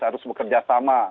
harus bekerja sama